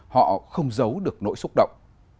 họ không giấu được nỗi xúc động